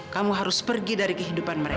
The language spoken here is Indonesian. kamu harus pergi dari kehidupan mereka